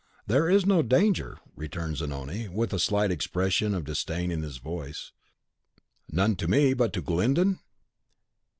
"There is no danger!" returned Zanoni, with a slight expression of disdain in his voice. "None to me; but to Glyndon?"